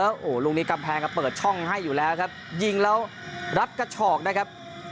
โอ้โหลูกนี้กำแพงก็เปิดช่องให้อยู่แล้วครับยิงแล้วรับกระฉอกนะครับ